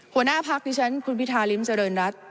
หัวหน้าพักดิฉันคุณพิธาริมเจริญรัฐ